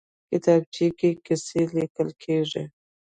کتابچه کې قصې لیکل کېږي